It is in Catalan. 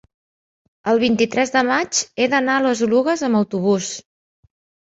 el vint-i-tres de maig he d'anar a les Oluges amb autobús.